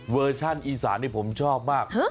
เวอร์ชั่นอีสานที่ผมชอบมาก